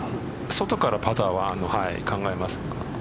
外からパターは考えます。